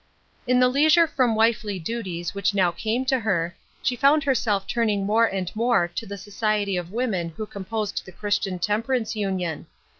In the leisure from wifely duties which now came to her, she found herself turning more and more to the society of the women who composed the Christian Temperance Union.